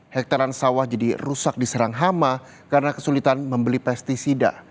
hektaran sawah jadi rusak diserang hama karena kesulitan membeli pesticida